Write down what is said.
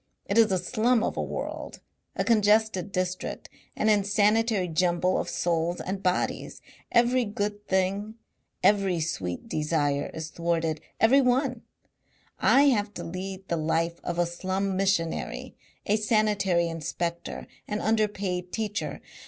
It is a slum of a world, a congested district, an insanitary jumble of souls and bodies. Every good thing, every sweet desire is thwarted every one. I have to lead the life of a slum missionary, a sanitary inspector, an underpaid teacher.